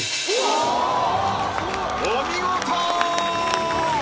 お見事！